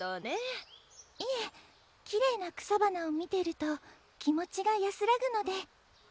いえきれいな草花を見てると気持ちが安らぐので。